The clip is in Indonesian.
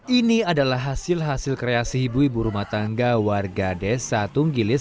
ini adalah hasil hasil kreasi ibu ibu rumah tangga warga desa tunggilis